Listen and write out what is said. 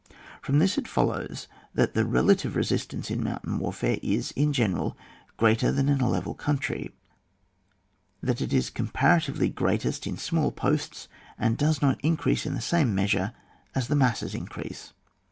From this it follows that the relative resistance in mountain warfare is, in general, greats than in a level coimtry, that it is comparatively greatest in small posts, and does not increase in the same measure as the masses increase.